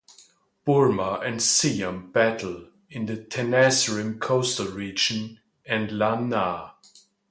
Burma and Siam battle in the Tenasserim coastal region and Lan Na.